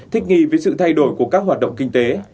thích nghi với sự thay đổi của các hoạt động kinh tế